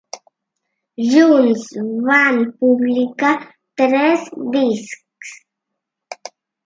Junts, van publicar tres discs.